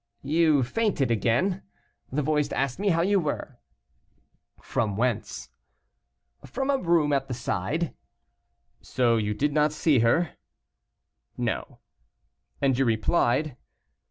"You fainted again. The voice asked me how you were." "From whence?" "From a room at the side." "So you did not see her?" "No." "And you replied?"